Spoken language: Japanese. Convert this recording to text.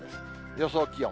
予想気温。